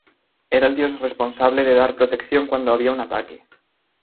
Era el dios responsable de dar protección cuando había un ataque.